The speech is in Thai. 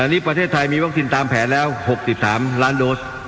นี่ประเทศไทยมีวัคซีนตามแผนแล้ว๖๓ล้านโดส